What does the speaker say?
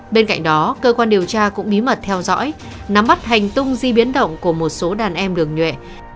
bên cạnh đó cơ quan điều tra cũng bí mật theo dõi nắm bắt hành tung di biến động của một số đàn em đường nhuệ